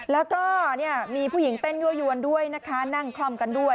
แล้วก็มีผู้หญิงเต้นยั่วยวนด้วยนะคะนั่งคล่อมกันด้วย